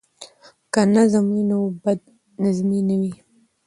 که نظم وي نو بد نظمي نه وي.